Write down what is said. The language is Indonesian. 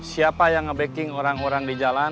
siapa yang ngebacking orang orang di jalan